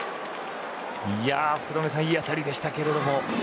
福留さんいい当たりでしたけども。